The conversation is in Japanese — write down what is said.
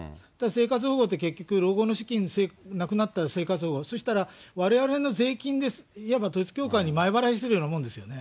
生活保護って、結局、老後の資金がなくなったら生活保護、そうしたら、われわれの税金でいわば統一教会に前払いするようなものですよね。